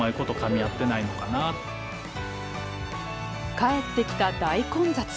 帰ってきた大混雑。